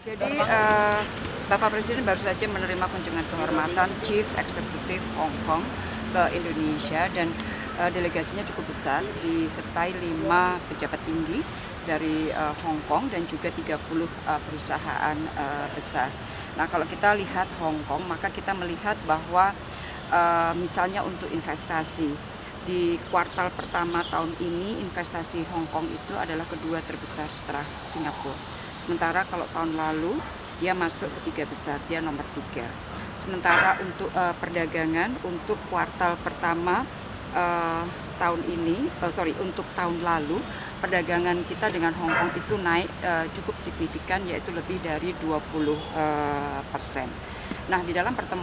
jangan lupa like share dan subscribe channel ini untuk dapat info terbaru